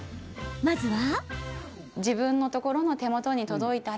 まずは。